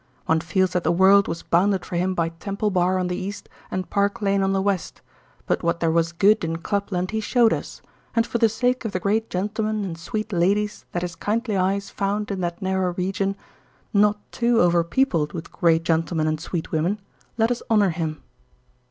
One feels that the world was bounded for him by Temple Bar on the east and Park Lane on the west; but what there was good in Clubland he showed us, and for the sake of the great gentlemen and sweet ladies that his kindly eyes found in that narrow region, not too overpeopled with great gentlemen and sweet women, let us honour him.